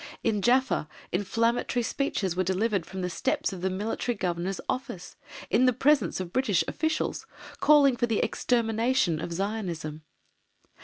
In Jaffa inflammatory speeches were delivered from the steps of the Military Governor's office, in the presence of British officials, calling for the extermination of Zionism.